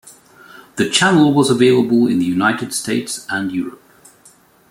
The channel was available in the United States and Europe.